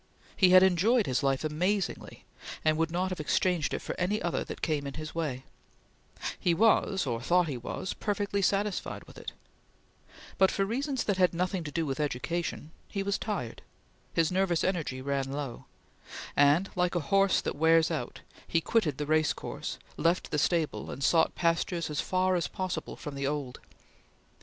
He had enjoyed his life amazingly, and would not have exchanged it for any other that came in his way; he was, or thought he was, perfectly satisfied with it; but for reasons that had nothing to do with education, he was tired; his nervous energy ran low; and, like a horse that wears out, he quitted the race course, left the stable, and sought pastures as far as possible from the old.